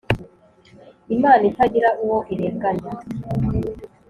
Imana itagira uwo irenganya